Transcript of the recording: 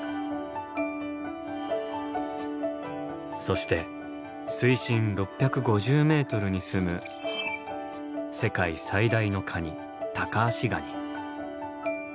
そして水深６５０ｍにすむ世界最大のカニタカアシガニ。